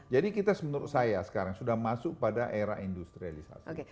jadi kita menurut saya sekarang sudah masuk pada era industrialisasi